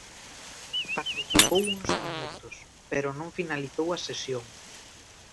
Participou uns minutos, pero non finalizou a sesión.